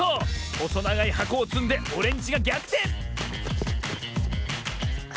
ほそながいはこをつんでオレンジがぎゃくてん！